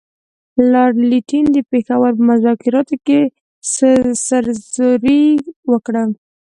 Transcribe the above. لارډ لیټن د پېښور په مذاکراتو کې سرزوري وکړه.